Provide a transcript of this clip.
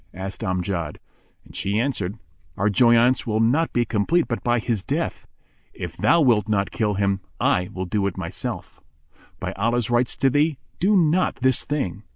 asked Amjad; and she answered, "Our joyaunce will not be complete but by his death. If thou wilt not kill him, I will do it myself." Quoth Amjad, "By Allah's rights to thee, do not this thing!"